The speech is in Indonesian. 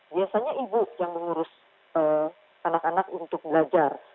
biasanya ibu yang mengurus anak anak untuk belajar